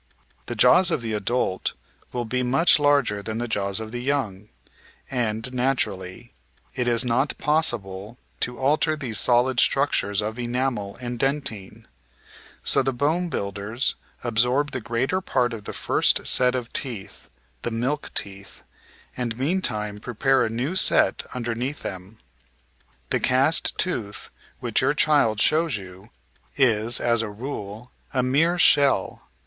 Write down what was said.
The jaws of the adult will be much larger than the jaws of the young, and, naturally, it is not possible to alter these solid structures of enamel and den tine. So the bone builders absorb the greater part of the first set of teeth, the "milk teeth," and meantime prepare a new set under neath them. The cast tooth which your child shows you is, as a rule, a mere shell.